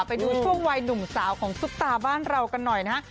ไปดูช่วงวัยหนุ่มสาวของซุปตาบ้านเรากันหน่อยนะฮะ